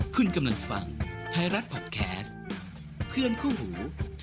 คุณกำลังฟังไทยรัฐพอดแคสต์เพื่อนคู่หู